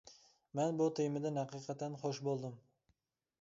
مەن بۇ تېمىدىن ھەقىقەتەن خوش بولدۇم.